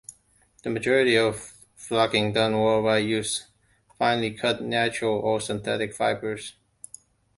The majority of flocking done worldwide uses finely cut natural or synthetic fibers.